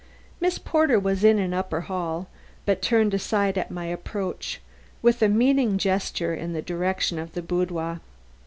Miss Porter was in the upper hall, but turned aside at my approach with a meaning gesture in the direction of the boudoir.